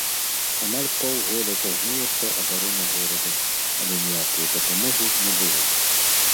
Амаль паўгода цягнулася абарона горада, але ніякай дапамогі не было.